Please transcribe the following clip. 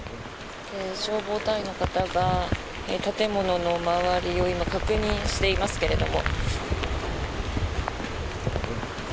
消防隊員の方が建物の周りを今、確認していますけれども。